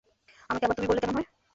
আমাকে আবার তুমি বললে কেমন হয়?